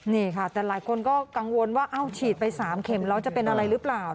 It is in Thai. นี่ค่ะแต่หลายคนก็กังวลว่าเอ้าฉีดไป๓เข็มแล้วจะเป็นอะไรหรือเปล่า